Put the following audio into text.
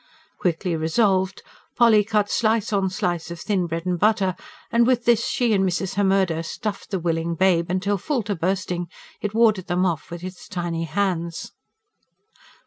Quickly resolved, Polly cut slice on slice of thin bread and butter, and with this she and Mrs. Hemmerde stuffed the willing babe till, full to bursting, it warded them off with its tiny hands.